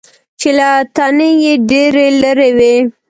چې له تنې یې ډېرې لرې وي .